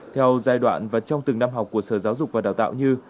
theo giai đoạn và trong từng năm học của sở giáo dục và đào tạo như